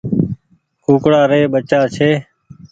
ڪوڪڙآ ري ٻچآ ڇي۔